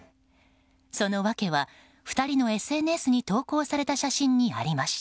その訳は２人のＳＮＳに投稿された写真にありました。